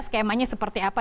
skemanya seperti apa